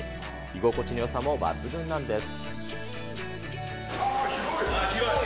居心地のよさも抜群なんです。